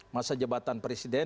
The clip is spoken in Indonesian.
masa jabatan presiden